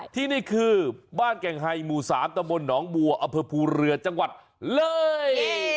ที่นี่คือบ้านแก่งไฮหมู่๓ตะบนหนองบัวอำเภอภูเรือจังหวัดเลย